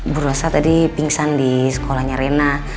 bu rosa tadi pingsan di sekolahnya rena